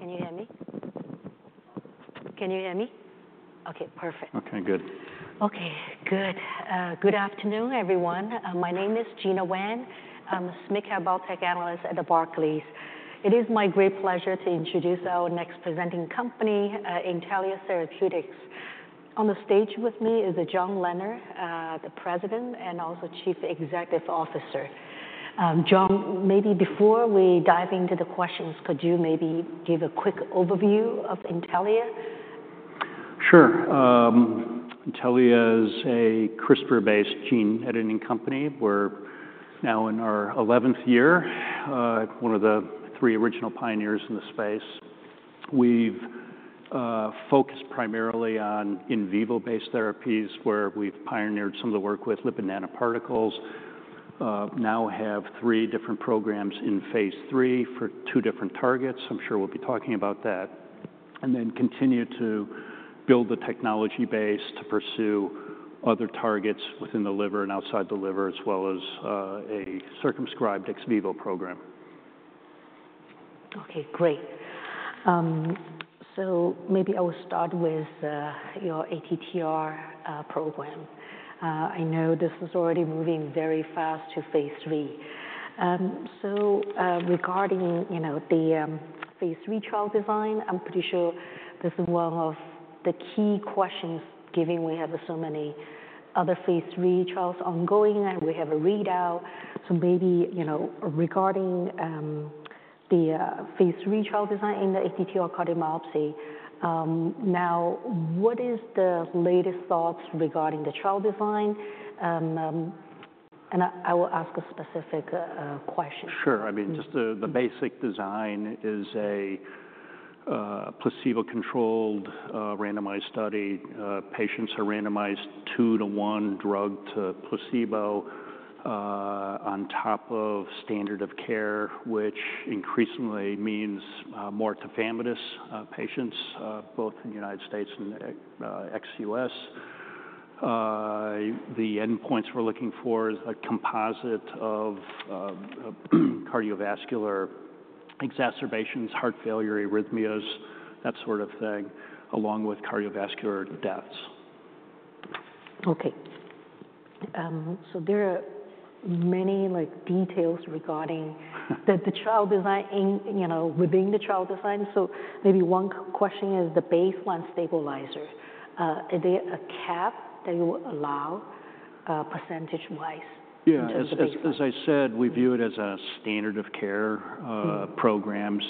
Can you hear me? Okay, perfect. Okay, good. Okay, good. Good afternoon, everyone. My name is Gena Wang. I'm a Biotech Analyst at Barclays. It is my great pleasure to introduce our next presenting company, Intellia Therapeutics. On the stage with me is John Leonard, the President and also Chief Executive Officer. John, maybe before we dive into the questions, could you maybe give a quick overview of Intellia? Sure. Intellia is a CRISPR-based gene editing company. We're now in our 11th year, one of the three original pioneers in the space. We've focused primarily on in vivo-based therapies, where we've pioneered some of the work with lipid nanoparticles. Now we have three different programs in phase three for two different targets. I'm sure we'll be talking about that. We continue to build the technology base to pursue other targets within the liver and outside the liver, as well as a circumscribed ex vivo program. Okay, great. Maybe I will start with your ATTR program. I know this is already moving very fast to phase three. Regarding the phase three trial design, I'm pretty sure this is one of the key questions, given we have so many other phase three trials ongoing and we have a readout. Maybe regarding the phase three trial design and the ATTR cardiomyopathy, what are the latest thoughts regarding the trial design? I will ask a specific question. Sure. I mean, just the basic design is a placebo-controlled randomized study. Patients are randomized two-to-one drug to placebo on top of standard of care, which increasingly means more tafamidis patients, both in the U.S. and ex-U.S. The endpoints we're looking for are a composite of cardiovascular exacerbations, heart failure, arrhythmias, that sort of thing, along with cardiovascular deaths. Okay. There are many details regarding the trial design within the trial design. Maybe one question is the baseline stabilizer. Is there a cap that you allow percentage-wise? Yeah. As I said, we view it as a standard of care program.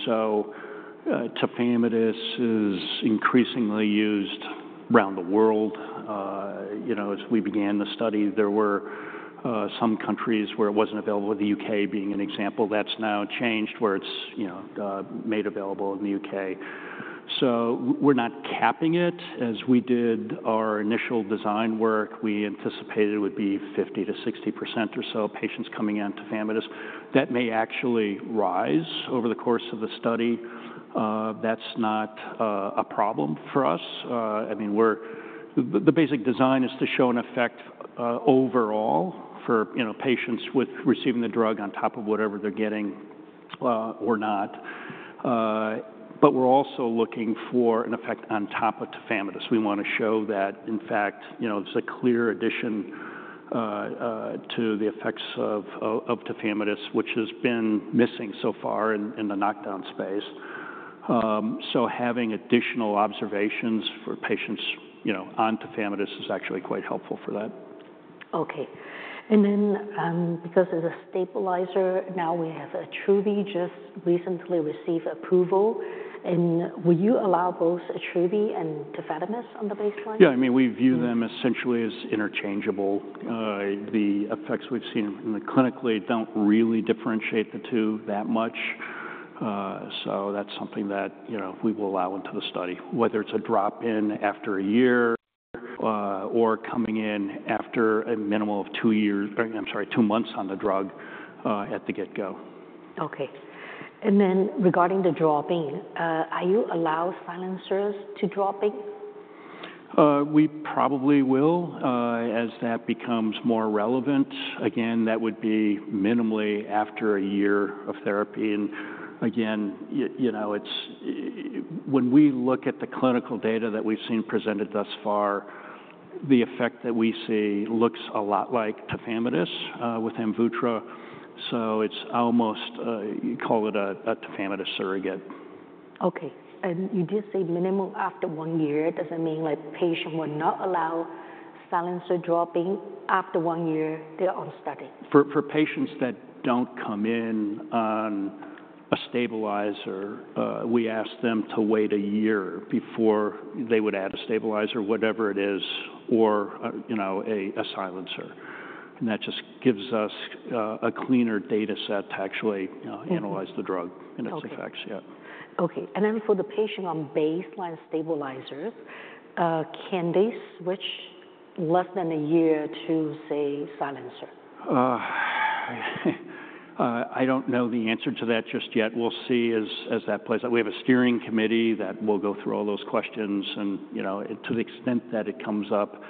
Tafamidis is increasingly used around the world. As we began the study, there were some countries where it was not available, with the U.K. being an example. That has now changed, where it is made available in the U.K. We are not capping it. As we did our initial design work, we anticipated it would be 50%-60% or so patients coming into tafamidis. That may actually rise over the course of the study. That is not a problem for us. I mean, the basic design is to show an effect overall for patients receiving the drug on top of whatever they are getting or not. We are also looking for an effect on top of tafamidis. We want to show that, in fact, it's a clear addition to the effects of tafamidis, which has been missing so far in the knockdown space. Having additional observations for patients on tafamidis is actually quite helpful for that. Okay. And then because it's a stabilizer, now we have Attruby just recently received approval. And would you allow both Attruby and tafamidis on the baseline? Yeah. I mean, we view them essentially as interchangeable. The effects we've seen clinically don't really differentiate the two that much. That is something that we will allow into the study, whether it's a drop-in after a year or coming in after a minimum of two months on the drug at the get-go. Okay. Regarding the drop-in, are you allowing silencers to drop in? We probably will as that becomes more relevant. Again, that would be minimally after a year of therapy. Again, when we look at the clinical data that we've seen presented thus far, the effect that we see looks a lot like tafamidis with Amvuttra. It is almost, you call it a tafamidis surrogate. Okay. You just said minimum after one year. Does that mean patients will not allow silencer drop-in after one year? They're on study? For patients that don't come in on a stabilizer, we ask them to wait a year before they would add a stabilizer, whatever it is, or a silencer. That just gives us a cleaner data set to actually analyze the drug and its effects. Yeah. Okay. For the patient on baseline stabilizers, can they switch less than a year to, say, silencer? I don't know the answer to that just yet. We'll see as that plays out. We have a steering committee that will go through all those questions. To the extent that it comes up,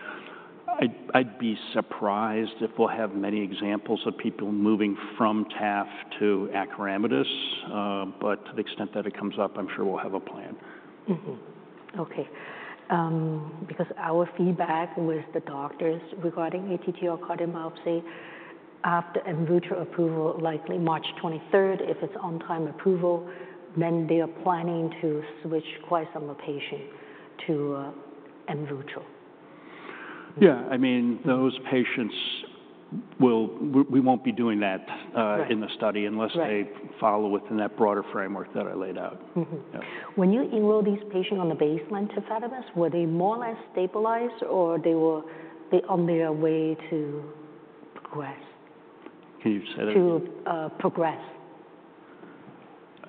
I'd be surprised if we'll have many examples of people moving from tafamidis to acoramidis. To the extent that it comes up, I'm sure we'll have a plan. Okay. Because our feedback with the doctors regarding ATTR cardiomyopathy, after Amvuttra approval, likely March 23, if it's on-time approval, then they are planning to switch quite some of the patients to Amvuttra. Yeah. I mean, those patients will—we won't be doing that in the study unless they follow within that broader framework that I laid out. When you enroll these patients on the baseline tafamidis, were they more or less stabilized, or they were on their way to progress? Can you say that again? To progress?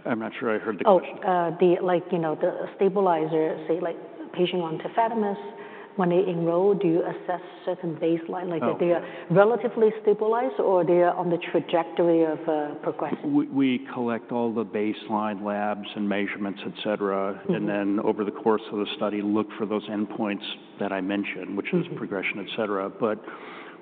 I'm not sure I heard the question. Oh, the stabilizer, say, patient on tafamidis, when they enroll, do you assess certain baseline? Are they relatively stabilized, or are they on the trajectory of progressing? We collect all the baseline labs and measurements, et cetera. Over the course of the study, look for those endpoints that I mentioned, which is progression, et cetera.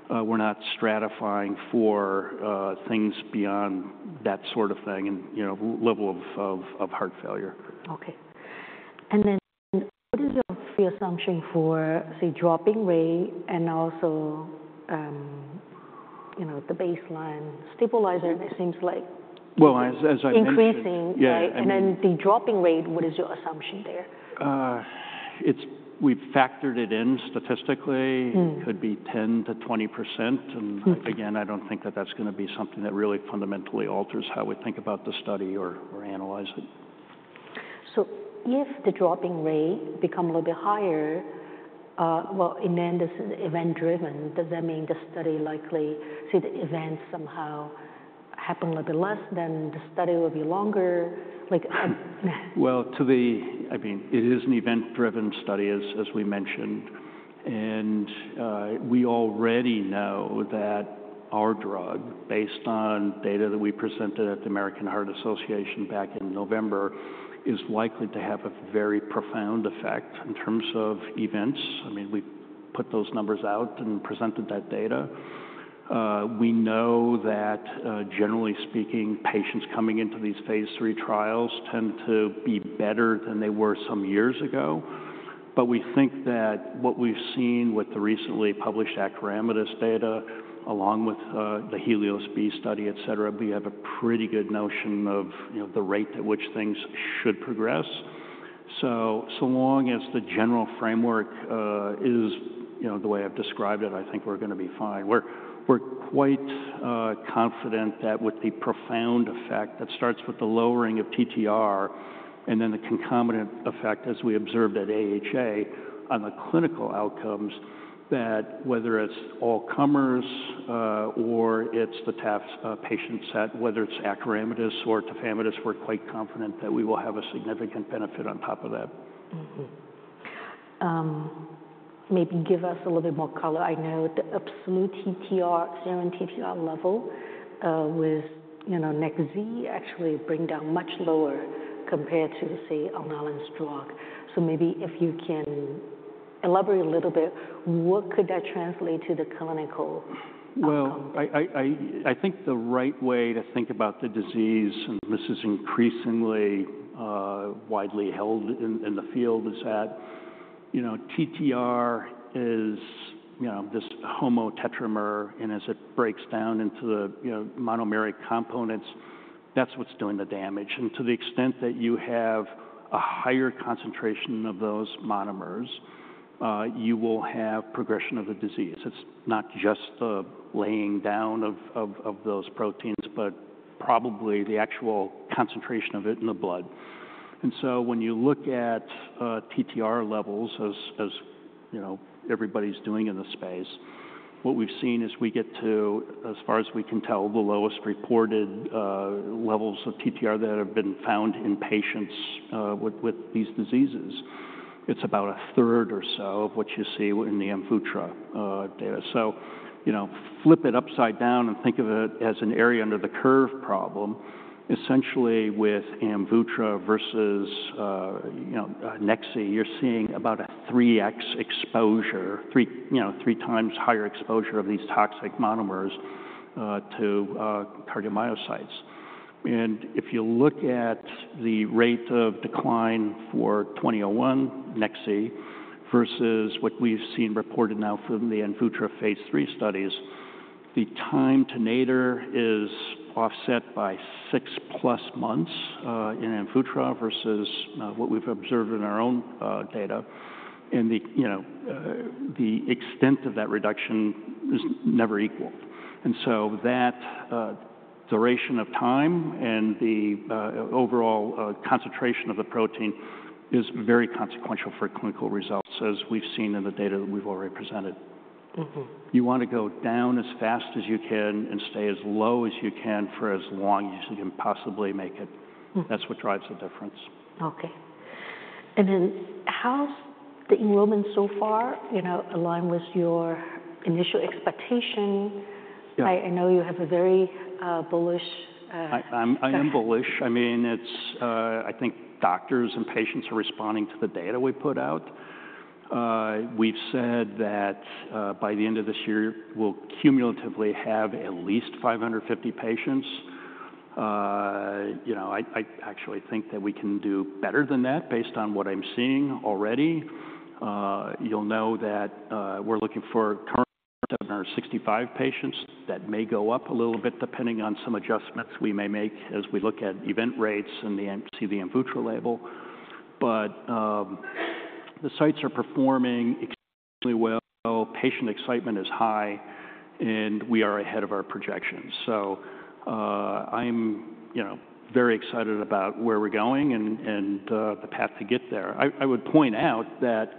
We are not stratifying for things beyond that sort of thing and level of heart failure. Okay. What is your assumption for, say, drop-in rate and also the baseline stabilizer? It seems like increasing. As I mentioned. Yeah. Then the drop-in rate, what is your assumption there? We've factored it in statistically. It could be 10%-20%. Again, I don't think that that's going to be something that really fundamentally alters how we think about the study or analyze it. If the drop-in rate becomes a little bit higher, in the end, this is event-driven. Does that mean the study likely, say, the events somehow happen a little bit less, then the study will be longer? I mean, it is an event-driven study, as we mentioned. We already know that our drug, based on data that we presented at the American Heart Association back in November, is likely to have a very profound effect in terms of events. I mean, we put those numbers out and presented that data. We know that, generally speaking, patients coming into these phase three trials tend to be better than they were some years ago. We think that what we've seen with the recently published acoramidis data, along with the HELIOS-B study, et cetera, we have a pretty good notion of the rate at which things should progress. As long as the general framework is the way I've described it, I think we're going to be fine. We're quite confident that with the profound effect that starts with the lowering of TTR and then the concomitant effect, as we observed at AHA, on the clinical outcomes, that whether it's all comers or it's the TTR patient set, whether it's acoramidis or tafamidis, we're quite confident that we will have a significant benefit on top of that. Maybe give us a little bit more color. I know the absolute serum TTR level with NTLA-2001 actually brings down much lower compared to, say, another drug. Maybe if you can elaborate a little bit, what could that translate to the clinical outcome? I think the right way to think about the disease, and this is increasingly widely held in the field, is that TTR is this homotetramer. As it breaks down into the monomeric components, that's what's doing the damage. To the extent that you have a higher concentration of those monomers, you will have progression of the disease. It's not just the laying down of those proteins, but probably the actual concentration of it in the blood. When you look at TTR levels, as everybody's doing in the space, what we've seen is we get to, as far as we can tell, the lowest reported levels of TTR that have been found in patients with these diseases. It's about a third or so of what you see in the Amvuttra data. Flip it upside down and think of it as an area under the curve problem. Essentially, with Amvuttra versus nexiguran ziclumeran, you're seeing about a 3x exposure, three times higher exposure of these toxic monomers to cardiomyocytes. If you look at the rate of decline for NTLA-2001 nexiguran ziclumeran versus what we've seen reported now from the Amvuttra phase three studies, the time to nadir is offset by six-plus months in Amvuttra versus what we've observed in our own data. The extent of that reduction is never equal. That duration of time and the overall concentration of the protein is very consequential for clinical results, as we've seen in the data that we've already presented. You want to go down as fast as you can and stay as low as you can for as long as you can possibly make it. That's what drives the difference. Okay. How's the enrollment so far? Aligned with your initial expectation? I know you have a very bullish. I am bullish. I mean, I think doctors and patients are responding to the data we put out. We've said that by the end of this year, we'll cumulatively have at least 550 patients. I actually think that we can do better than that based on what I'm seeing already. You'll know that we're looking for current 765 patients. That may go up a little bit depending on some adjustments we may make as we look at event rates and see the Amvuttra label. The sites are performing exceptionally well. Patient excitement is high, and we are ahead of our projections. I am very excited about where we're going and the path to get there. I would point out that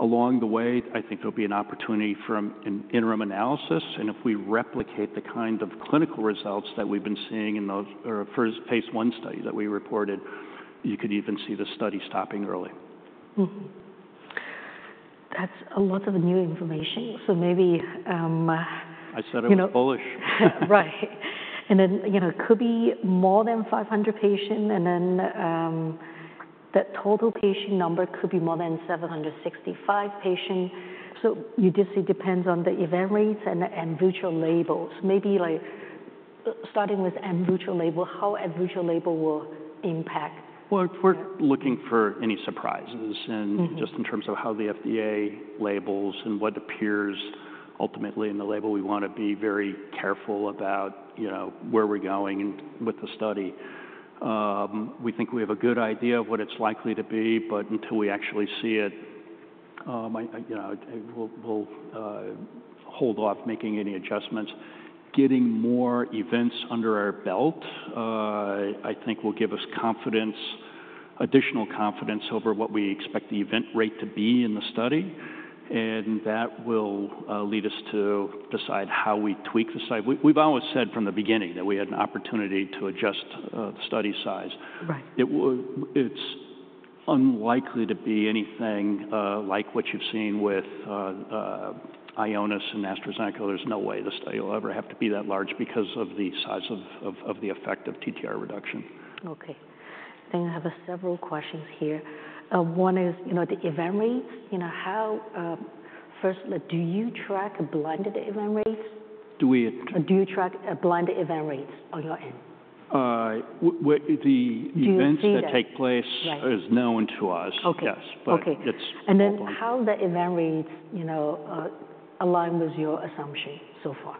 along the way, I think there'll be an opportunity for an interim analysis. If we replicate the kind of clinical results that we've been seeing in the phase one study that we reported, you could even see the study stopping early. That's a lot of new information. Maybe. I said I was bullish. Right. It could be more than 500 patients, and that total patient number could be more than 765 patients. You just say it depends on the event rates and Amvuttra labels. Maybe starting with Amvuttra label, how Amvuttra label will impact. We're looking for any surprises just in terms of how the FDA labels and what appears ultimately in the label. We want to be very careful about where we're going with the study. We think we have a good idea of what it's likely to be, but until we actually see it, we'll hold off making any adjustments. Getting more events under our belt, I think, will give us additional confidence over what we expect the event rate to be in the study. That will lead us to decide how we tweak the site. We've always said from the beginning that we had an opportunity to adjust the study size. It's unlikely to be anything like what you've seen with Ionis and AstraZeneca. There's no way the study will ever have to be that large because of the size of the effect of TTR reduction. Okay. I have several questions here. One is the event rates. First, do you track blinded event rates? Do we? Do you track blinded event rates on your end? The events that take place are known to us. Yes. Okay. How do the event rates align with your assumption so far?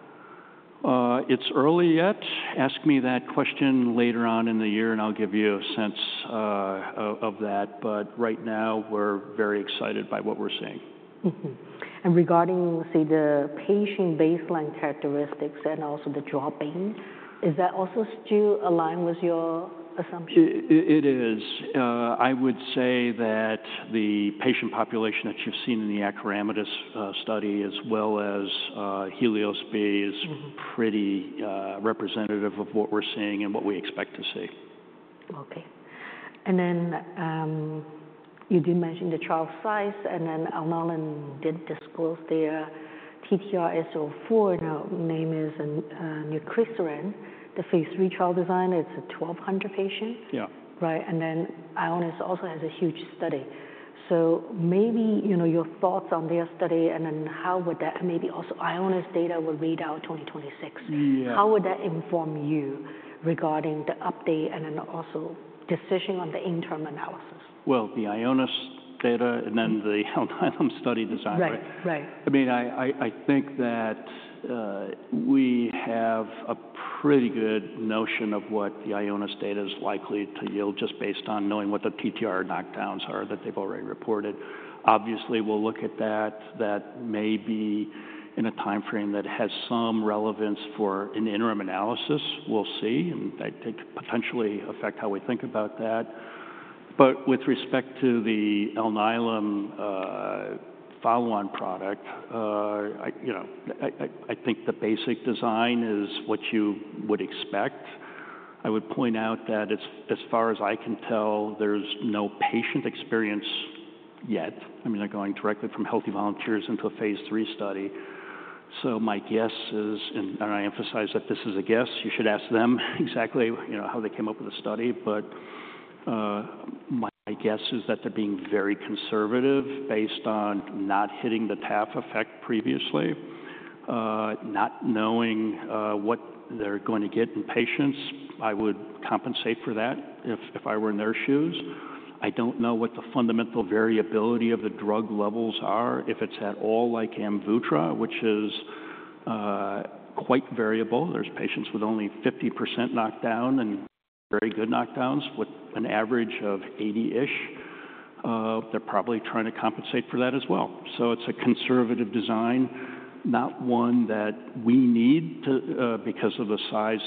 It's early yet. Ask me that question later on in the year, and I'll give you a sense of that. Right now, we're very excited by what we're seeing. Regarding, say, the patient baseline characteristics and also the drop-in, is that also still aligned with your assumption? It is. I would say that the patient population that you've seen in the acoramidis study, as well as HELIOS-B, is pretty representative of what we're seeing and what we expect to see. Okay. You did mention the trial size. Alnylam did disclose their TTRsc04. Now, name is nucresiran, the phase three trial design. It's a 1,200 patient. Right? Ionis also has a huge study. Maybe your thoughts on their study and then how would that, maybe also Ionis data will read out 2026. How would that inform you regarding the update and then also decision on the interim analysis? The Ionis data and then the study design. I mean, I think that we have a pretty good notion of what the Ionis data is likely to yield just based on knowing what the TTR knockdowns are that they've already reported. Obviously, we'll look at that. That may be in a timeframe that has some relevance for an interim analysis. We'll see. That could potentially affect how we think about that. With respect to the Alnylam follow-on product, I think the basic design is what you would expect. I would point out that as far as I can tell, there's no patient experience yet. I mean, they're going directly from healthy volunteers into a phase three study. My guess is, and I emphasize that this is a guess. You should ask them exactly how they came up with the study. My guess is that they're being very conservative based on not hitting the tafamidis effect previously, not knowing what they're going to get in patients. I would compensate for that if I were in their shoes. I don't know what the fundamental variability of the drug levels are. If it's at all like vutrisiran, which is quite variable, there's patients with only 50% knockdown and very good knockdowns with an average of 80-ish. They're probably trying to compensate for that as well. It is a conservative design, not one that we need because of the size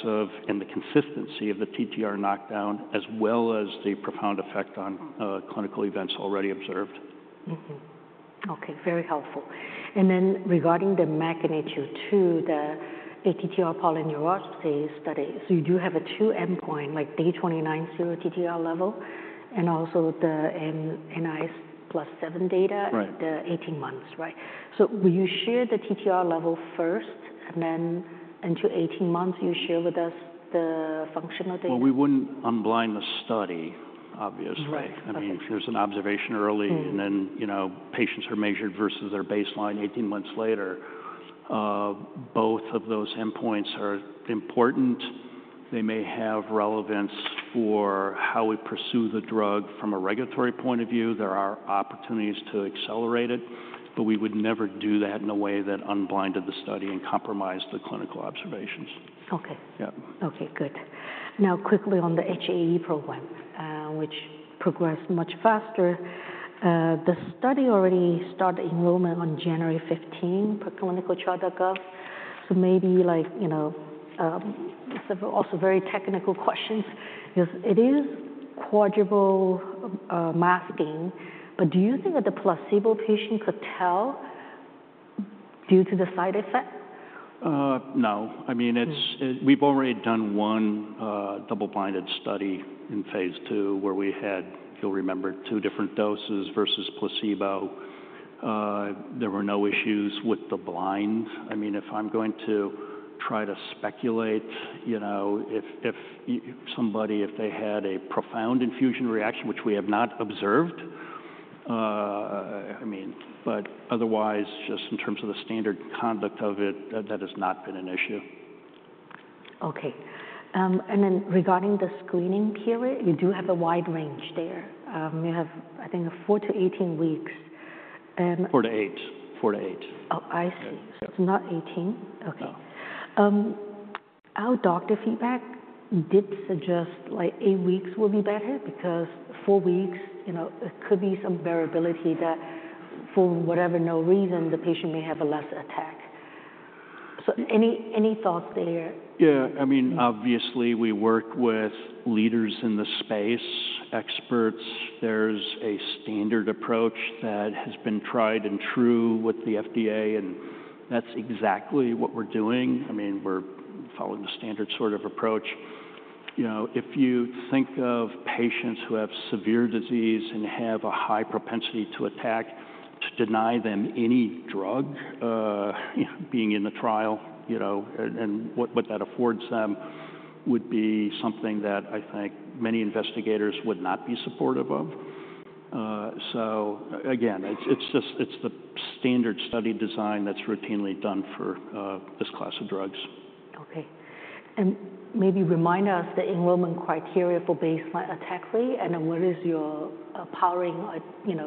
and the consistency of the TTR knockdown, as well as the profound effect on clinical events already observed. Okay. Very helpful. Regarding the MAGNITUDE, the TTR polyneuropathy study, you do have two endpoints, like day 29 serum TTR level and also the NIS+7 data at 18 months. Right? Will you share the TTR level first, and then until 18 months, you share with us the functional data? We wouldn't unblind the study, obviously. I mean, if there's an observation early and then patients are measured versus their baseline 18 months later, both of those endpoints are important. They may have relevance for how we pursue the drug from a regulatory point of view. There are opportunities to accelerate it, but we would never do that in a way that unblinded the study and compromised the clinical observations. Okay. Okay. Good. Now, quickly on the HAE program, which progressed much faster. The study already started enrollment on January 15 per ClinicalTrials.gov. Maybe some also very technical questions because it is quadruple masking. Do you think that the placebo patient could tell due to the side effect? No. I mean, we've already done one double-blinded study in phase two where we had, if you'll remember, two different doses versus placebo. There were no issues with the blind. I mean, if I'm going to try to speculate, if somebody, if they had a profound infusion reaction, which we have not observed, I mean, but otherwise, just in terms of the standard conduct of it, that has not been an issue. Okay. Regarding the screening period, you do have a wide range there. You have, I think, 4-18 weeks. Four to eight. Four to eight. Oh, I see. Not 18. Okay. Our doctor feedback did suggest like 8 weeks will be better because 4 weeks, it could be some variability that for whatever no reason, the patient may have a less attack. Any thoughts there? Yeah. I mean, obviously, we work with leaders in the space, experts. There is a standard approach that has been tried and true with the FDA, and that is exactly what we are doing. I mean, we are following the standard sort of approach. If you think of patients who have severe disease and have a high propensity to attack, to deny them any drug being in the trial and what that affords them would be something that I think many investigators would not be supportive of. It is the standard study design that is routinely done for this class of drugs. Okay. Maybe remind us the enrollment criteria for baseline attack rate, and then what is your powering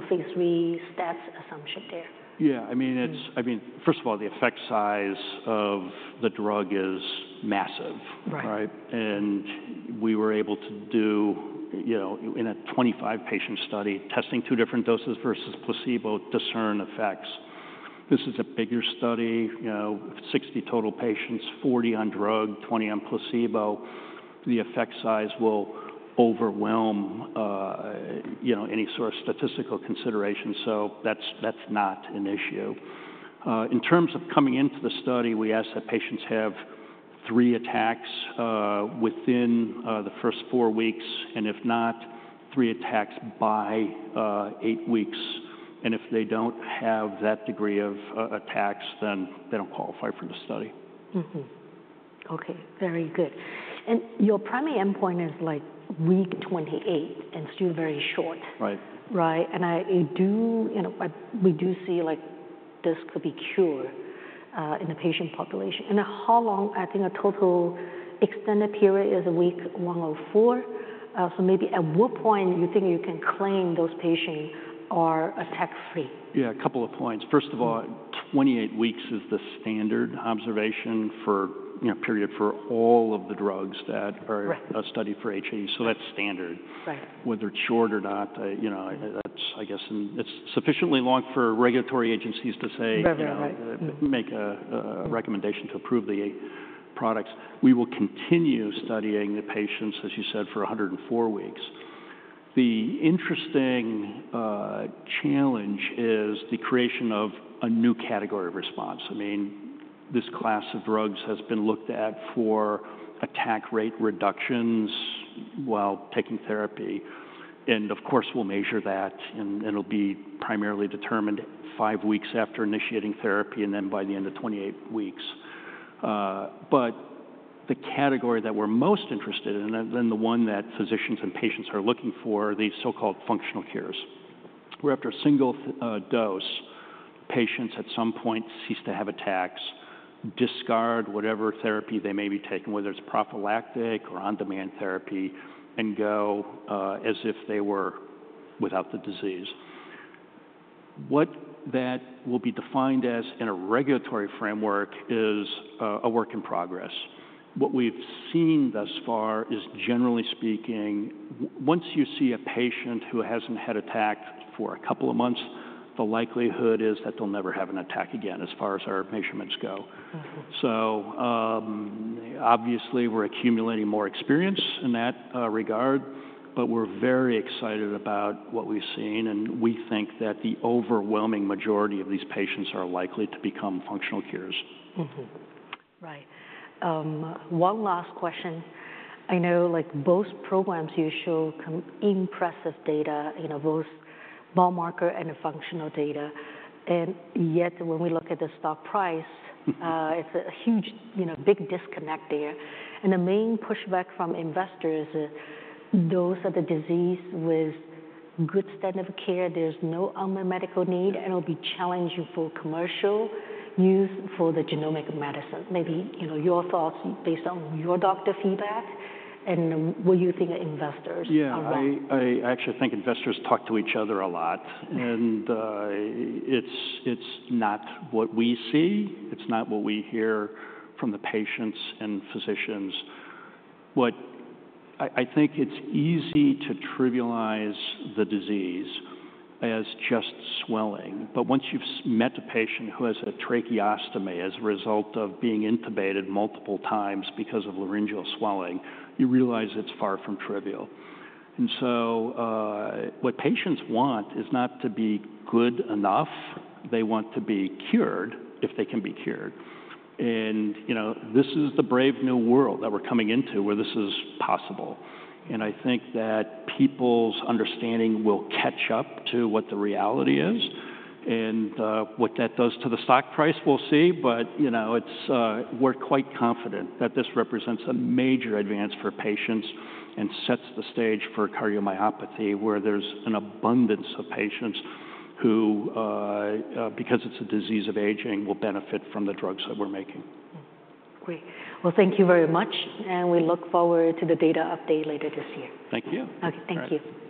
phase three stats assumption there? Yeah. I mean, first of all, the effect size of the drug is massive. Right? And we were able to do, in a 25-patient study, testing two different doses versus placebo, discern effects. This is a bigger study. Sixty total patients, forty on drug, twenty on placebo. The effect size will overwhelm any sort of statistical consideration. That is not an issue. In terms of coming into the study, we ask that patients have three attacks within the first four weeks, and if not, three attacks by eight weeks. If they do not have that degree of attacks, then they do not qualify for the study. Okay. Very good. Your primary endpoint is like week 28 and still very short, right? We do see this could be cured in the patient population. How long, I think a total extended period is week 104. Maybe at what point do you think you can claim those patients are attack-free? Yeah. A couple of points. First of all, 28 weeks is the standard observation period for all of the drugs that are studied for HAE. So that's standard. Whether it's short or not, I guess it's sufficiently long for regulatory agencies to say, make a recommendation to approve the products. We will continue studying the patients, as you said, for 104 weeks. The interesting challenge is the creation of a new category of response. I mean, this class of drugs has been looked at for attack rate reductions while taking therapy. And of course, we'll measure that, and it'll be primarily determined five weeks after initiating therapy and then by the end of 28 weeks. But the category that we're most interested in, and then the one that physicians and patients are looking for, are the so-called functional cures. Where after a single dose, patients at some point cease to have attacks, discard whatever therapy they may be taking, whether it's prophylactic or on-demand therapy, and go as if they were without the disease. What that will be defined as in a regulatory framework is a work in progress. What we've seen thus far is, generally speaking, once you see a patient who hasn't had attack for a couple of months, the likelihood is that they'll never have an attack again as far as our measurements go. Obviously, we're accumulating more experience in that regard, but we're very excited about what we've seen. We think that the overwhelming majority of these patients are likely to become functional cures. Right. One last question. I know both programs, you show impressive data, both biomarker and functional data. Yet, when we look at the stock price, it's a huge, big disconnect there. The main pushback from investors is those at the disease with good standard of care, there's no unmet medical need, and it'll be challenging for commercial use for the genomic medicine. Maybe your thoughts based on your doctor feedback and what you think investors around. Yeah. I actually think investors talk to each other a lot. It is not what we see. It is not what we hear from the patients and physicians. I think it is easy to trivialize the disease as just swelling. Once you have met a patient who has a tracheostomy as a result of being intubated multiple times because of laryngeal swelling, you realize it is far from trivial. What patients want is not to be good enough. They want to be cured if they can be cured. This is the brave new world that we are coming into where this is possible. I think that people's understanding will catch up to what the reality is. What that does to the stock price, we will see. We are quite confident that this represents a major advance for patients and sets the stage for cardiomyopathy where there is an abundance of patients who, because it is a disease of aging, will benefit from the drugs that we are making. Great. Thank you very much. We look forward to the data update later this year. Thank you. Okay. Thank you.